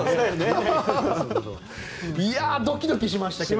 ドキドキしましたけどね。